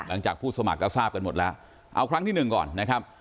หลังจากผู้สมัครก็ทราบกันหมดแล้วเอาครั้งที่หนึ่งก่อนนะครับ